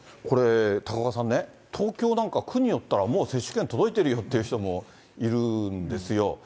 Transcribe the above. これ、高岡さんね、東京なんか、国によったら、もう接種券、届いてるよという人もいるんですよ。